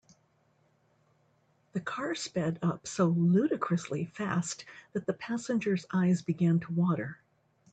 The car sped up so ludicrously fast that the passengers eyes began to water.